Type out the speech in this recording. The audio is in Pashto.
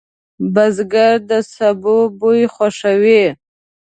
بزګر د سبو بوی خوښوي